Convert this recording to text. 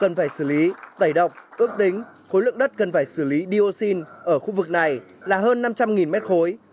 cần phải xử lý tẩy độc ước tính khối lượng đất cần phải xử lý dioxin ở khu vực này là hơn năm trăm linh mét khối